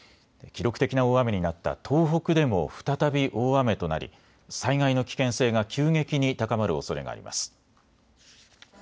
記録的な大雨になった東北でも再び大雨となり災害の危険性が急激に高まるおそれがあります。